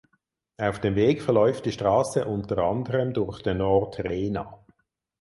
Auf dem Weg verläuft die Straße unter anderem durch den Ort Rena.